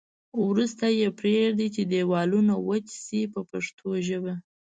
وروسته یې پرېږدي چې دېوالونه وچ شي په پښتو ژبه.